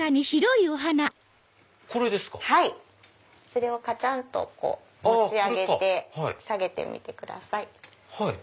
それをカチャンと持ち上げて下げてみてください。